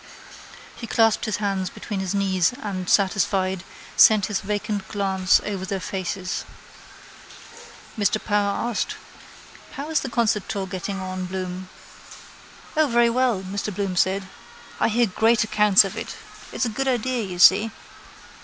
He clasped his hands between his knees and, satisfied, sent his vacant glance over their faces. Mr Power asked: —How is the concert tour getting on, Bloom? —O, very well, Mr Bloom said. I hear great accounts of it. It's a good idea, you see...